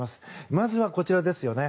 まずは、こちらですよね。